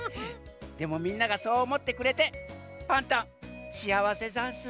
でもみんながそうおもってくれてパンタンしあわせざんす。